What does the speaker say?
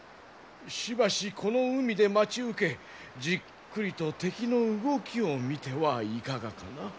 しばしこの海で待ち受けじっくりと敵の動きを見てはいかがかな。